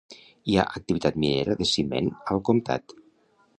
Hi ha activitat minera de ciment al comtat.